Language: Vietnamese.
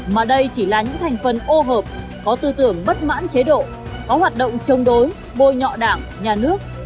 mà đây chỉ là những thành phần ô hợp có tư tưởng bất mãn chế độ có hoạt động chống đối bôi nhọ đảng nhà nước